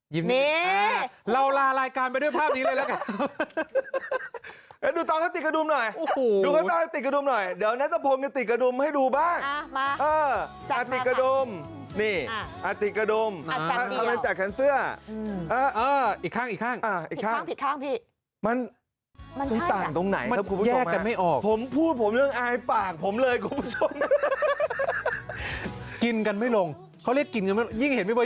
ยิ้มมุมปากนิดเดียวนี่คุณพี่เบิร์นห้ามพูดพี่เบิร์นห้ามพูดพี่เบิร์นห้ามพูดพี่เบิร์นห้ามพูดพี่เบิร์นห้ามพูดพี่เบิร์นห้ามพูดพี่เบิร์นห้ามพูดพี่เบิร์นห้ามพูดพี่เบิร์นห้ามพูดพี่เบิร์นห้ามพูดพี่เบิร์นห้ามพู